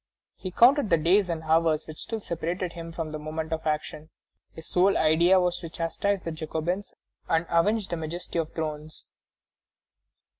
He counted the days and hours which still separated him from the moment of action: his sole idea was to chastise the Jacobins and avenge the majesty of thrones.